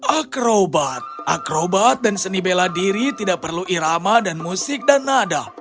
akrobat akrobat dan seni bela diri tidak perlu irama dan musik dan nada